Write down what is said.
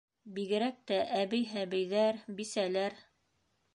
Бигерәк тә әбей-һәбейҙәр, бисәләр.